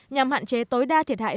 nhằm hạn chế tối đa thiệt hại